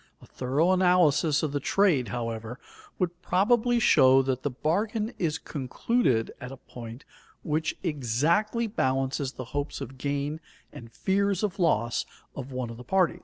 A thorough analysis of the trade, however, would probably show that the bargain is concluded at a point which exactly balances the hopes of gain and fears of loss of one of the parties.